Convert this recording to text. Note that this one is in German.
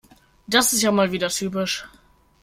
Das ist ja wieder mal typisch.